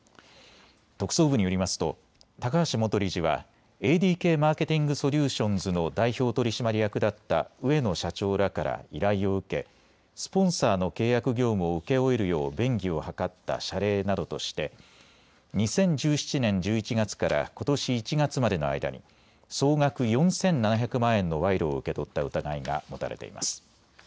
特捜部によりますと高橋元理事はＡＤＫマーケティング・ソリューションズの代表取締役だった植野社長らから依頼を受けスポンサーの契約業務を請け負えるよう便宜を図った謝礼などとして２０１７年１１月からことし１月までの間に総額４７００万円の賄賂を受け取った疑いが持たれています。